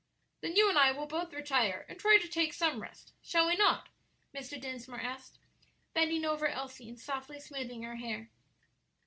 "Then you and I will both retire and try to take some rest, shall we not?" Mr. Dinsmore asked, bending over Elsie and softly smoothing her hair.